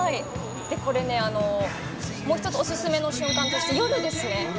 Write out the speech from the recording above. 「でこれねもう１つオススメの瞬間として夜ですね」